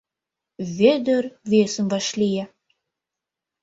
Вӧдыр весым вашлие.